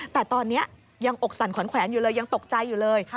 แต่ตอนนี้ยังอกสั่นขวัญแขวนอยู่เลยยังตกใจอยู่เลย